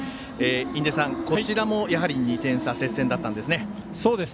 印出さん、こちらもやはり２点差接戦だったんですね。